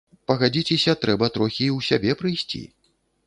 Пагадзіцеся, трэба трохі і ў сябе прыйсці.